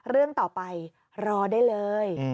เรื่องต่อไปรอได้เลย